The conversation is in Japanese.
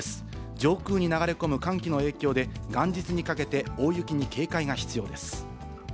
上空に流れ込む寒気の影響で、元日にかけて大雪に警戒が必要です。